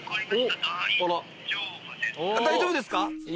大丈夫ですか？